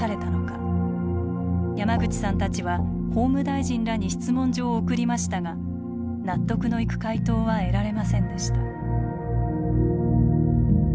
山口さんたちは法務大臣らに質問状を送りましたが納得のいく回答は得られませんでした。